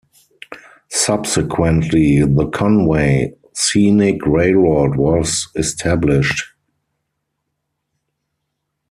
Subsequently, the Conway Scenic Railroad was established.